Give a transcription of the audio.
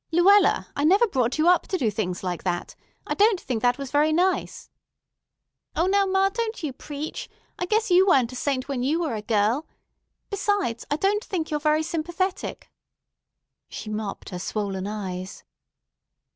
"Luella, I never brought you up to do things like that. I don't think that was very nice." "O, now, ma, don't you preach. I guess you weren't a saint when you were a girl. Besides, I don't think you're very sympathetic." She mopped her swollen eyes.